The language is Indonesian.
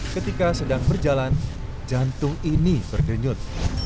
ketika sedang berjalan jantung ini berkenyut